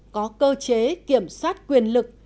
có cơ chế kiểm soát quyền lực